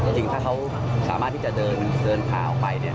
จริงถ้าเขาสามารถที่จะเดินผ่าออกไปเนี่ย